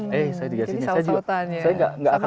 hei saya di sini saya tidak akan